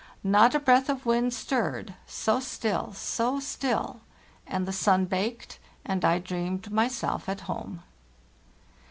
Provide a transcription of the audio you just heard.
Not a breath of wind stirred —so still, so still; and the sun baked, and I dreamed myself at home.